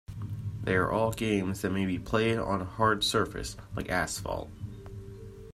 They are all games that may be played on a hard surface, like asphalt.